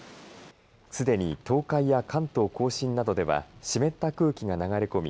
すでに東海や関東甲信などでは湿った空気が流れ込み